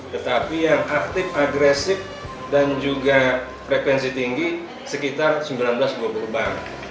tetapi yang aktif agresif dan juga frekuensi tinggi sekitar sembilan ratus dua puluh bank